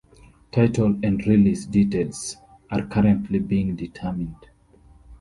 Title and release details are currently being determined.